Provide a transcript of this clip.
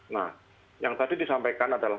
nah yang tadi disampaikan adalah